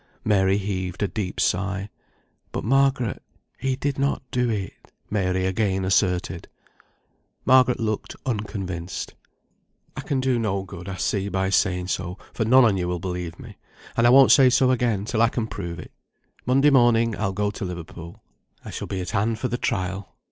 Mary heaved a deep sigh. "But, Margaret, he did not do it," Mary again asserted. Margaret looked unconvinced. "I can do no good, I see, by saying so, for none on you believe me, and I won't say so again till I can prove it. Monday morning I'll go to Liverpool. I shall be at hand for the trial.